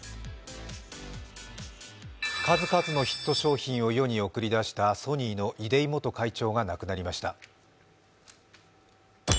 数々のヒット商品を世に送りだしたソニーの出井元会長が亡くなりました。